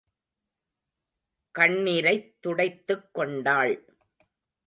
கண்ணிரைத் துடைத்துக் கொண்டாள்.